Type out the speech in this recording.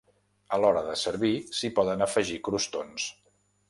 A l'hora de servir, s'hi poden afegir crostons.